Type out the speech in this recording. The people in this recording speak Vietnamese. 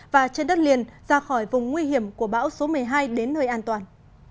và trên đất liền ra khỏi vùng nguy hiểm của bão số một mươi hai đến nơi an toàn